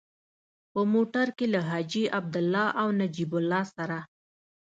په موټر کې له حاجي عبدالله او نجیب الله سره.